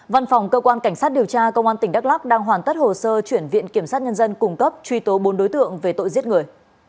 văn phòng cơ quan cảnh sát điều tra công an tỉnh đắk lắc đang hoàn tất hồ sơ chuyển viện kiểm sát nhân dân cung cấp truy tố bốn đối tượng về tội giết người